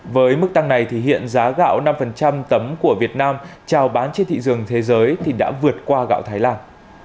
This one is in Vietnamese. với mức tăng này thì hiện giá gạo năm tấm của việt nam trào bán trên thị trường thế giới thì đã vượt qua gạo thái lan